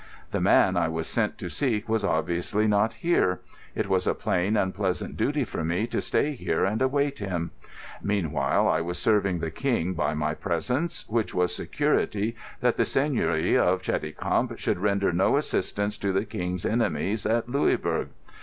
The man I was sent to seek was obviously not here. It was a plain and pleasant duty for me to stay here and await him. Meanwhile, I was serving the King by my presence, which was security that the Seigneury of Cheticamp should render no assistance to the King's enemies at Louisbourg.